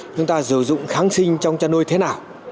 chúng ta sử dụng kháng sinh trong chăn nuôi thế nào